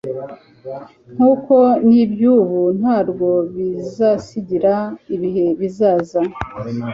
nk'uko n'iby'ubu nta rwo bizasigira ibihe bizaza